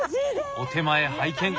お手前拝見。